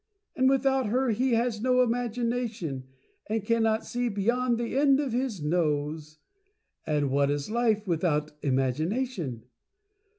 And without her he has no Imagination, and cannot see beyond the end of his nose — and what is life without Imagination?